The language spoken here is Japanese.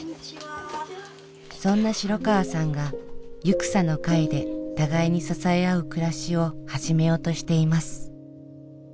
そんな城川さんがゆくさの会で互いに支え合う暮らしを始めようとしています。